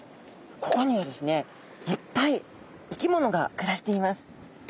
ここにはですねいっぱい生き物が暮らしています。